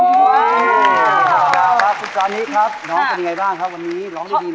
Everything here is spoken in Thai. อ๊าวสุดท้อนนี้ครับน้องเป็นยังไงบ้างครับวันนี้ร้องดีไหม